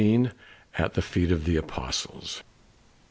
AT THE FEET OF THE APOSTLES.